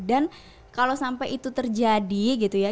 dan kalau sampai itu terjadi gitu ya